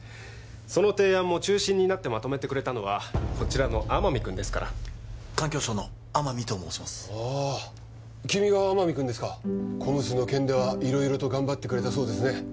その提案も中心になってまとめてくれたのはこちらの天海君ですから環境省の天海と申しますああ君が天海君ですかＣＯＭＳの件では色々と頑張ってくれたそうですね